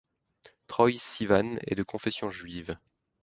Troye Sivan est de confession juive.